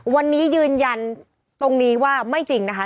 วันนี้ยืนยันตรงนี้ว่าไม่จริงนะคะ